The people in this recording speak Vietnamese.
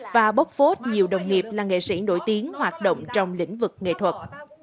và bốc phốt nhiều đồng nghiệp là nghệ sĩ nổi tiếng hoạt động trong lĩnh vực nghệ thuật